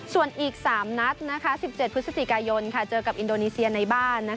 ส่วนอีก๓นัด๑๗พฤศจิกายนเจอกับอินโดนีเซียในบ้าน